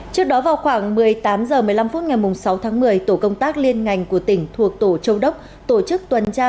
trước đó vào khoảng một mươi tám h một mươi năm phút ngày sáu tháng một mươi tổ công tác liên ngành của tỉnh thuộc tổ châu đốc tổ chức tuần tra